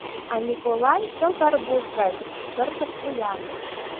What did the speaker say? А Николай — чылт арбуз гай тыртыш вуян.